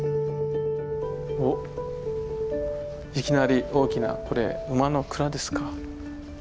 おっいきなり大きな馬の鞍ですか？